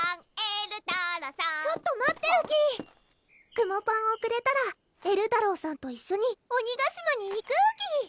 くもパンをくれたらえるたろうさんと一緒に鬼ヶ島に行くウキ！